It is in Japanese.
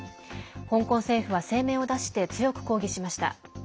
香港政府は声明を出して強く抗議しました。